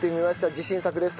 自信作です。